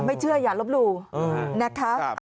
ไม่เชื่ออย่ารบรูนะครับ